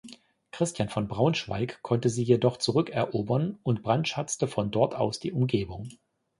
Christian von Braunschweig konnte sie jedoch zurückerobern und brandschatzte von dort aus die Umgebung.